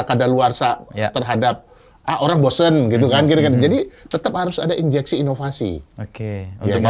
kadar luar terhadap orang bosen gitu kan jadi tetap harus ada injeksi inovasi oke ya